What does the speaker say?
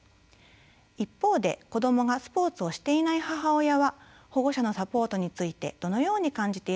一方で子どもがスポーツをしていない母親は保護者のサポートについてどのように感じているのでしょうか。